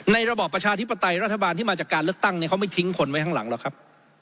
ระบอบประชาธิปไตยรัฐบาลที่มาจากการเลือกตั้งเขาไม่ทิ้งคนไว้ข้างหลังหรอกครับ